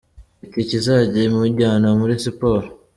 I ticket izajya imujyana muri siporo.